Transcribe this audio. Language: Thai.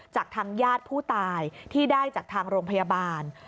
จากทางญาติผู้ตายที่ได้จากทางโรงพยาบาล